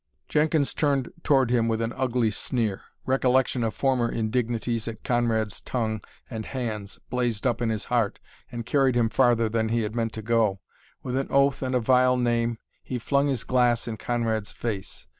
Jenkins turned toward him with an ugly sneer. Recollection of former indignities at Conrad's tongue and hands blazed up in his heart and carried him farther than he had meant to go. With an oath and a vile name he flung his glass in Conrad's face.